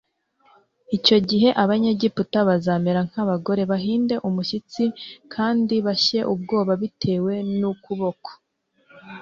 Icyo gihe Abanyegiputa bazamera nk abagore bahinde umushyitsi d kandi bashye ubwoba bitewe n ukuboko